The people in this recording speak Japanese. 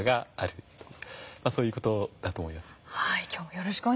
そういう事だと思います。